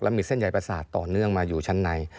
มีเส้นใหญ่ประสาทต่อเนื่องมาอยู่ชั้นใน